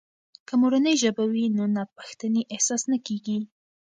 که مورنۍ ژبه وي، نو ناپښتنې احساس نه کیږي.